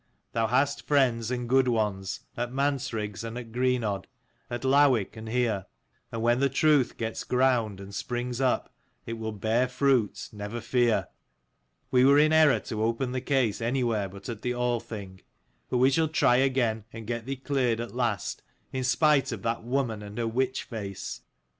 Thou hast friends, and good ones, at Mansriggs and at Greenodd, at Lowick and here ; and when the truth gets ground and springs up, it will bear fruit, never fear. We were in error to open the case anywhere but at the Althing ; but we shall try again and get thee cleared at last, in spite of that woman and her witch face.